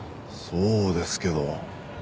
そうですけど。